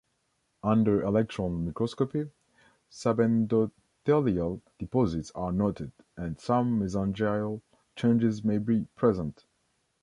Under electron microscopy, subendothelial deposits are noted, and some mesangial changes may be present.